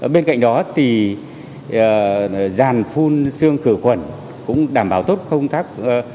bên cạnh đó thì dàn phun xương khử khuẩn cũng đảm bảo tốt không thác